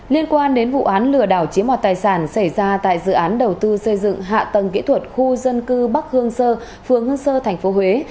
liên quan đến vụ án lừa đảo chiếm hoạt tài sản xảy ra tại dự án đầu tư xây dựng hạ tầng kỹ thuật khu dân cư bắc hương sơ phường hương sơ tp huế